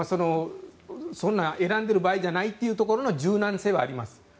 そんな選んでいる場合じゃないというところの柔軟性はあります。